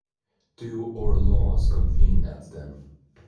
Do our laws connive at them?